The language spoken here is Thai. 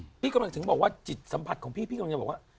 พี่กำลังถึงบอกว่าจิตสัมผัสของพี่พี่กำลังจะบอกว่า